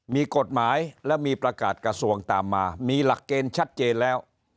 มีกฎหมายและมีประกาศกระทรวงตามมามีหลักเกณฑ์ชัดเจนแล้ว